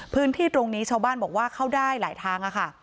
พื้นที่ตรงนี้ชาวบ้านบอกว่าเข้าได้หลายทางค่ะ